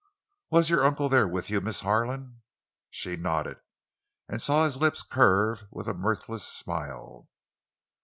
"Was your uncle there with you, Miss Harlan?" She nodded, and saw his lips curve with a mirthless smile.